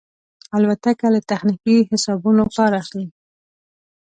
الوتکه له تخنیکي حسابونو کار اخلي.